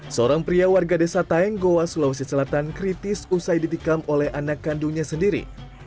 seorang pria warga desa taeng goa sulawesi selatan kritis usai ditikam oleh anak kandungnya sendiri